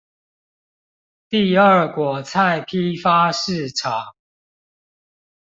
第二果菜批發市場